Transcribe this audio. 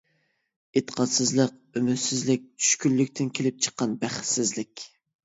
ئېتىقادسىزلىق، ئۈمىدسىزلىك، چۈشكۈنلۈكتىن كېلىپ چىققان بەختسىزلىك.